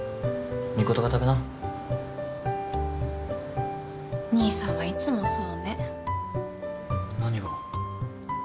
ミコトが食べな兄さんはいつもそうね何が？